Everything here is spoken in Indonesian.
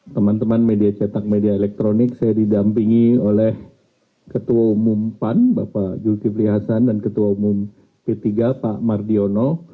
teman teman media cetak media elektronik saya didampingi oleh ketua umum pan bapak zulkifli hasan dan ketua umum p tiga pak mardiono